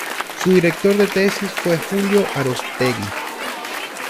Su director de tesis fue Julio Aróstegui.